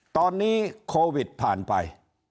ตอนนี้โควิดผ่านไป